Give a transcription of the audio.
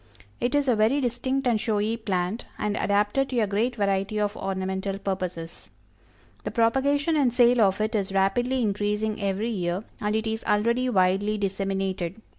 It is a very distinct and showy plant, and adapted to a great variety of ornamental purposes. The propagation and sale of it is rapidly increasing every year, and it is already widely disseminated.